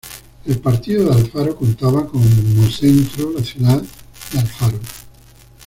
El Partido de Alfaro contaba como centro la ciudad de Alfaro.